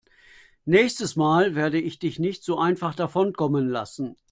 Nächstes Mal werde ich dich nicht so einfach davonkommen lassen.